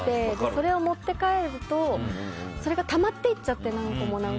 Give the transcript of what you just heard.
それを持って帰るとそれがたまっていっちゃって何個も。